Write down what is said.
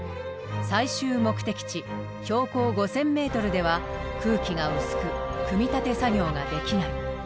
最終目的地標高５，０００ｍでは空気が薄く組み立て作業ができない。